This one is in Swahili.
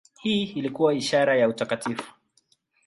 Hii ilikuwa ishara ya utakatifu.